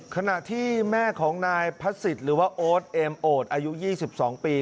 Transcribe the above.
ขณะที่แม่ของนายพระศิษย์หรือว่าโอ๊ตเอมโอดอายุ๒๒ปี